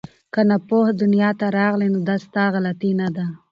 که ناپوه دنیا ته راغلې نو دا ستا غلطي نه ده